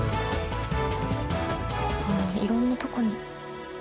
いろんなとこに。